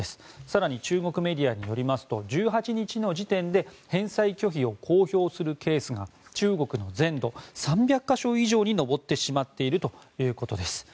更に、中国メディアによりますと１８日の時点で返済拒否を公表するケースが中国の全土３００か所以上に上ってしまっているということです。